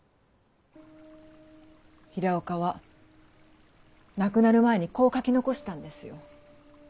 平岡は亡くなる前にこう書き残したんですよ。